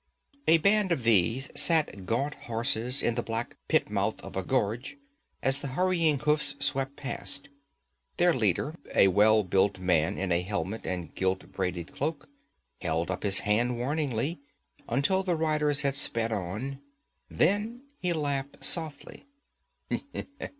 A band of these sat gaunt horses in the black pitmouth of a gorge as the hurrying hoofs swept past. Their leader, a well built man in a helmet and gilt braided cloak, held up his hand warningly, until the riders had sped on. Then he laughed softly.